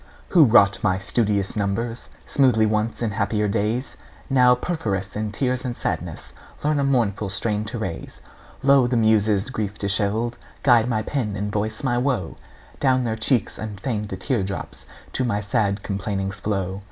Who wrought my studious numbers Smoothly once in happier days, Now perforce in tears and sadness Learn a mournful strain to raise. Lo, the Muses, grief dishevelled, Guide my pen and voice my woe; Down their cheeks unfeigned the tear drops To my sad complainings flow!